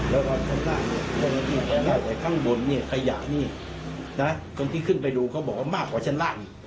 แล้วก็ชั้นล่างข้างบนขยะนี่คนที่ขึ้นไปดูเขาบอกว่ามากกว่าชั้นล่าง